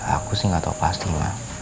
aku sih gak tau pasti ma